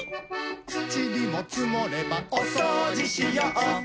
ちりもつもればおそうじしよう！